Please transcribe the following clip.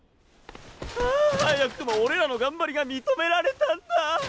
早くも俺らの頑張りが認められたんだ！